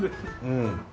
うん。